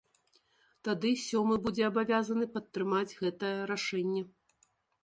Тады сёмы будзе абавязаны падтрымаць гэтае рашэнне.